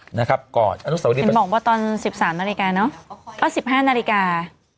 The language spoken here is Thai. เห็นบอกว่าตอน๑๓นาฬิกาเนอะก็๑๕นาฬิกา